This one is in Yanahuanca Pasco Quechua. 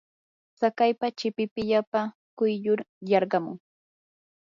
tsakaypa chipipillapa quyllur yarqamun.